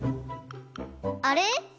あれ？